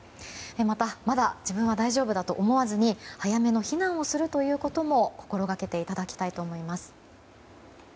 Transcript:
また、まだ自分は大丈夫だと思わずに早めの避難をするということも心がけていただきたいと思います。